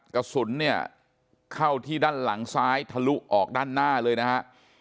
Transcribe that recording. กระสุนเนี่ยเข้าที่ด้านหลังซ้ายทะลุออกด้านหน้าเลยนะฮะ